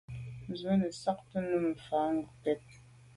Nzwe nesagte num mfà ngokèt.